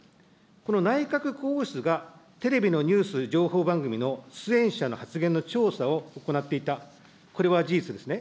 この内閣広報室がテレビのニュース、情報番組の出演者の発言の調査を行っていた、これは事実ですね。